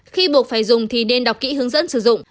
khi buộc phải dùng thì nên đọc kỹ hướng dẫn sử dụng